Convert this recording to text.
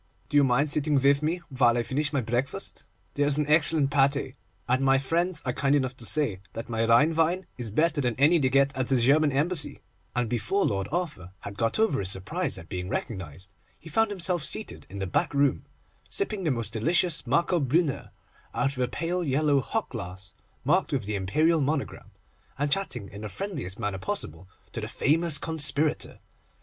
Do you mind sitting with me while I finish my breakfast? There is an excellent pâté, and my friends are kind enough to say that my Rhine wine is better than any they get at the German Embassy,' and before Lord Arthur had got over his surprise at being recognised, he found himself seated in the back room, sipping the most delicious Marcobrünner out of a pale yellow hock glass marked with the Imperial monogram, and chatting in the friendliest manner possible to the famous conspirator.